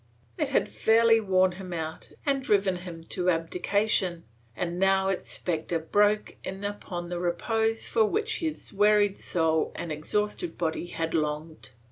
It had fairly worn him out and driven him to abdi cation, and now its spectre broke in upon the repose for which his wearied soul and exhausted body had longed.